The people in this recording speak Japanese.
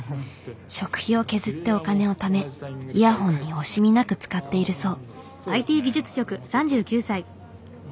食費を削ってお金をためイヤホンに惜しみなく使っているそう。